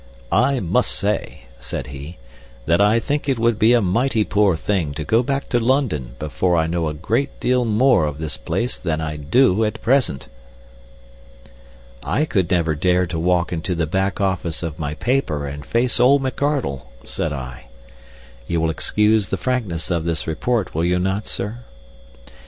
"I must say," said he, "that I think it would be a mighty poor thing to go back to London before I know a great deal more of this place than I do at present." "I could never dare to walk into the back office of my paper and face old McArdle," said I. (You will excuse the frankness of this report, will you not, sir?)